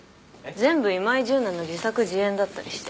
全部今井純奈の自作自演だったりして。